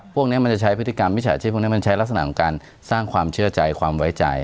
พวกนี้มันจะใช้พฤติกรรมมิจฉาชีพพวกนี้มันใช้ลักษณะของการสร้างความเชื่อใจความไว้ใจ